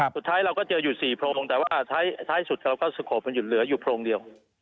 สุดท้ายเราก็เจออยู่๔โพรงแต่ว่าท้ายสุดเราก็สโขปมันอยู่เหลืออยู่โพรงเดียว